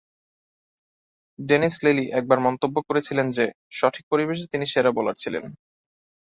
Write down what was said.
Dennis Lillee একবার মন্তব্য করেছিলেন যে, সঠিক পরিবেশে তিনি সেরা বোলার ছিলেন।